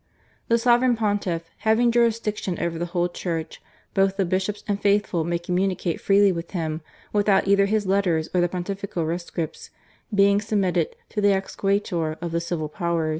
" The Sovereign Pontiff, having jurisdiction over the whole Church, both the Bishops and faithful may communicate freely with him without either his letters or the Pontifical Rescripts being submitted to the Exequatur of the civil power.